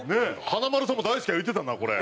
華丸さんも大好きや言うてたなこれ。